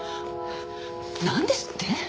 なんですって！？